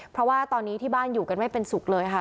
เพราะว่าตอนนี้ที่บ้านอยู่กันไม่เป็นสุขเลยค่ะ